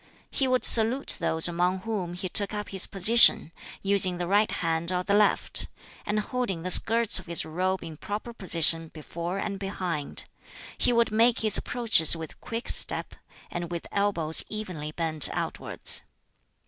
He would salute those among whom he took up his position, using the right hand or the left, and holding the skirts of his robe in proper position before and behind. He would make his approaches with quick step, and with elbows evenly bent outwards.